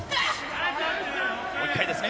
もう一回ですね。